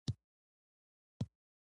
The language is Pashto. هغه وايي امریکې ته ځکه نه ځم.